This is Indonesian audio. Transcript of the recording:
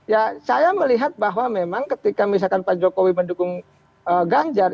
ya saya melihat bahwa memang ketika misalkan pak jokowi mendukung ganjar